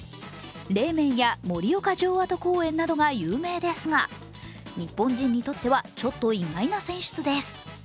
冷麺や盛岡城跡公園などが有名ですが日本人にとってはちょっと意外な選出です。